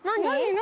何？